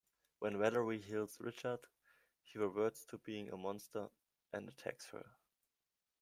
When Valerie heals Richard, he reverts to being a monster and attacks her.